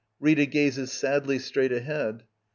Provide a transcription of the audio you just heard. Rita. [Gazes sadly straight ahead.